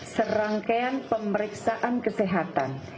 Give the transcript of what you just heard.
serangkaian pemeriksaan kesehatan